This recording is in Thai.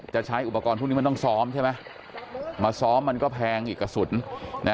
ใช้อุปกรณ์พวกนี้มันต้องซ้อมใช่ไหมมาซ้อมมันก็แพงอีกกระสุนนะ